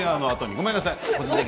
ごめんなさい。